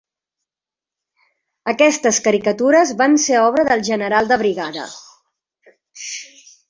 Aquestes caricatures van ser obra del general de brigada.